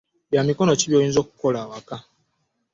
Byamikono ki byoyinza okukola awaka?